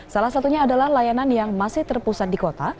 salah satunya adalah layanan yang masih terpusat di kota